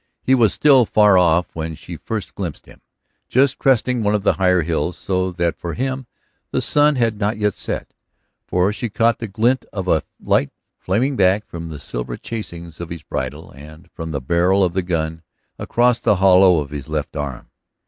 He was still far off when she first glimpsed him, just cresting one of the higher hills, so that for him the sun had not yet set. For she caught the glint of light flaming back from the silver chasings of his bridle and from the barrel of the gun across the hollow of his left arm.